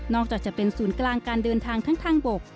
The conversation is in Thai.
อกจากจะเป็นศูนย์กลางการเดินทางทั้งทางบก